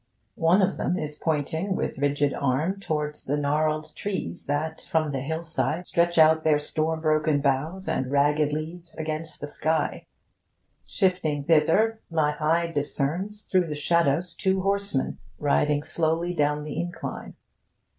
One of them is pointing with rigid arm towards the gnarled trees that from the hillside stretch out their storm broken boughs and ragged leaves against the sky. Shifting thither, my eye discerns through the shadows two horsemen, riding slowly down the incline.